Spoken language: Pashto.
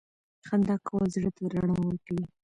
• خندا کول زړه ته رڼا ورکوي.